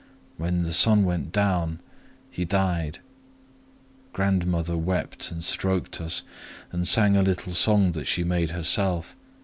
When the sun went down, he died. "Grandmother wept, and stroked us, and p. 129 sang a little song that she made herself.